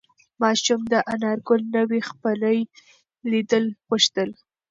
ماشوم د انارګل نوې څپلۍ لیدل غوښتل.